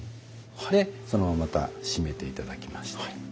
でそのまままた閉めて頂きまして。